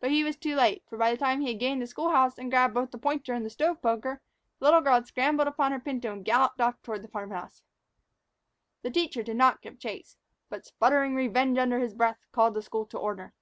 But he was too late; for, by the time he had gained the school room and grabbed both the pointer and the stove poker, the little girl had scrambled upon her pinto and galloped off toward the farm house. The teacher did not give chase, but, sputtering revenge under his breath, called the school to order.